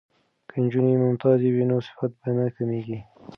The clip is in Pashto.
که نجونې ممتازې وي نو صفت به نه کمیږي.